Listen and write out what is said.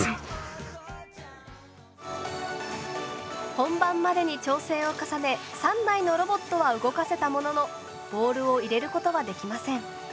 本番までに調整を重ね３台のロボットは動かせたもののボールを入れることはできません。